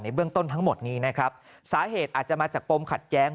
เบื้องต้นทั้งหมดนี้นะครับสาเหตุอาจจะมาจากปมขัดแย้ง